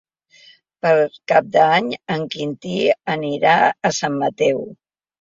Per Cap d'Any en Quintí anirà a Sant Mateu.